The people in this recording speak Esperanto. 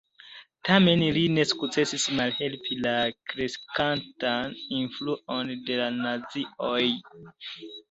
Tamen li ne sukcesis malhelpi la kreskantan influon de la nazioj.